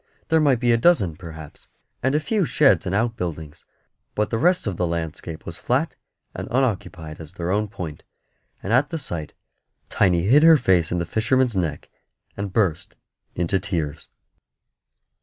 There might be a dozen, perhaps, and a few sheds and outbuildings, but the rest of the landscape was flat and unoccupied as their own Point; and at the sight Tiny hid her face in the fisherman's neck and burst into tears.